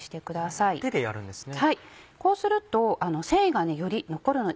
はいこうすると繊維がより残るの。